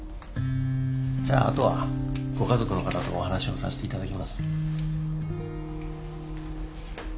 じゃあ後はご家族の方とお話をさしていただきます。